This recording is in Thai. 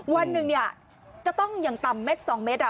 วันหนึ่งเนี่ยก็ต้องยังตำเม็ดสองเม็ดอ่ะ